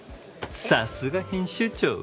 さすが編集長。